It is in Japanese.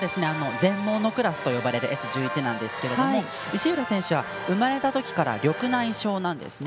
全盲のクラスと呼ばれるＳ１１なんですけど石浦選手は生まれたときから緑内障なんですね。